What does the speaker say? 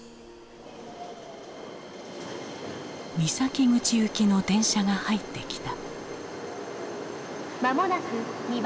三崎口行きの電車が入ってきた。